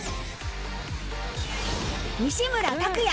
西村拓哉